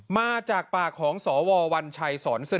มาจากปากของสววัญชัยสศ